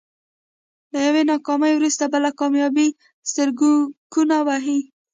له يوې ناکامي وروسته بله کاميابي سترګکونه وهي.